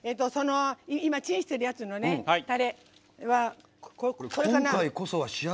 今チンしてるやつのたれはこれかな？